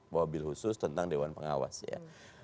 bahwa bil khusus tentang dewan pengawas ya